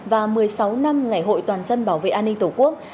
và một mươi sáu năm ngày hội toàn dân bảo vệ an ninh tổ quốc